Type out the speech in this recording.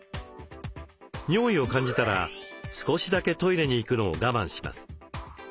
尿意を感じたら少しだけトイレに行くのを我慢します。